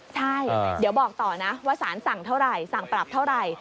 ใช่เดี๋ยวบอกต่อนะว่าสารสั่งเท่าไหร่สั่งปรับเท่าไหร่